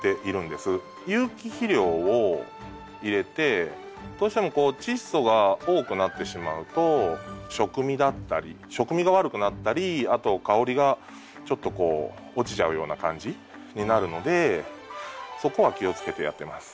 有機肥料を入れてどうしてもこうチッ素が多くなってしまうと食味だったり食味が悪くなったりあと香りがちょっとこう落ちちゃうような感じになるのでそこは気をつけてやってます。